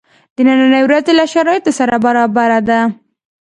د نني ورځی له شرایطو سره برابره ده.